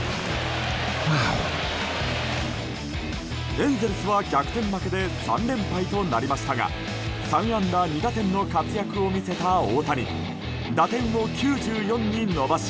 エンゼルスは逆転負けで３連敗となりましたが３安打２打点の活躍を見せた大谷打点を９４に伸ばし